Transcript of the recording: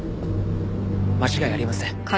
間違いありません。